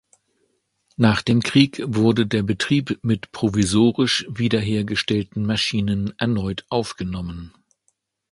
Nach dem Krieg wurde der Betrieb mit provisorisch wiederhergestellten Maschinen erneut aufgenommen.